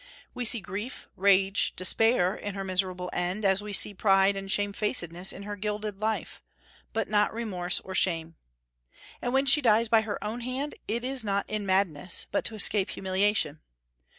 We see grief, rage, despair, in her miserable end, as we see pride and shamefacedness in her gilded life, but not remorse or shame. And when she dies by her own hand, it is not in madness, but to escape humiliation.